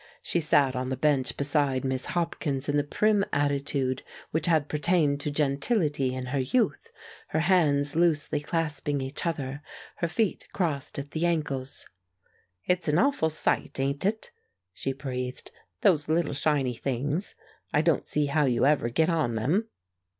She sat on the bench beside Miss Hopkins in the prim attitude which had pertained to gentility in her youth, her hands loosely clasping each other, her feet crossed at the ankles. "It's an awful sight, ain't it?" she breathed, "those little shiny things; I don't see how you ever git on them."